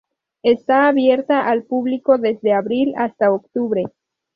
Está abierta al público desde abril hasta octubre.